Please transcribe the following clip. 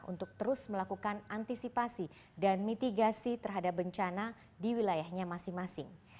untuk terus melakukan antisipasi dan mitigasi terhadap bencana di wilayahnya masing masing